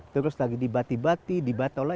terus lagi di bati bati di batola